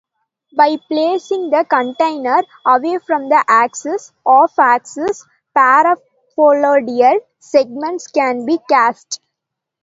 By placing the container away from the axis, off-axis paraboloidal segments can be cast.